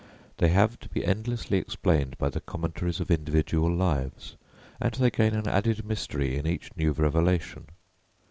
They have to be endlessly explained by the commentaries of individual lives, and they gain an added mystery in each new revelation.